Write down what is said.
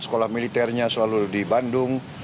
sekolah militernya selalu di bandung